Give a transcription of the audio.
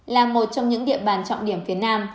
là một trong những địa bàn trọng điểm phía nam